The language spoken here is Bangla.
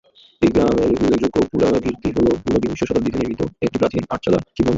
এই গ্রামের উল্লেখযোগ্য পুরাকীর্তি হল ঊনবিংশ শতাব্দীতে নির্মিত একটি প্রাচীন আটচালা শিবমন্দির।